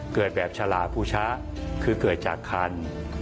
เกิดแบบฉลาภูชะคือเกิดจากคัน